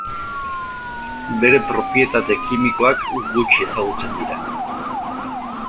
Bere propietate kimikoak gutxi ezagutzen dira.